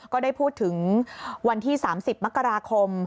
ก็ได้พูดถึงวันที่๓๐มกราคม